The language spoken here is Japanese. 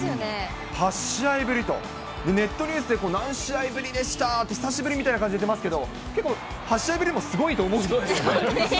８試合ぶりと、ネットニュースで何試合ぶりでしたって、久しぶりみたいな感じで言っていますけど、結構、８試合ぶりもすごいと思うんですけどね。